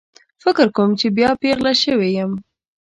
فکر کوم چې بیا پیغله شوې یم